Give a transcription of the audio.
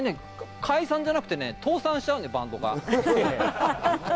解散じゃなくて倒産しちゃうんですよ、バンドが。